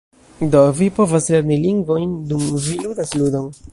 Do, vi povas lerni lingvojn dum vi ludas ludon